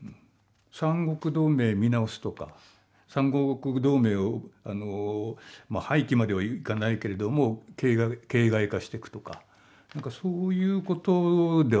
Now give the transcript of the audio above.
三国同盟を見直すとか三国同盟をまあ廃棄まではいかないけれども形骸化していくとかそういうことではないですかね。